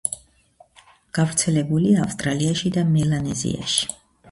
გავრცელებულია ავსტრალიაში და მელანეზიაში.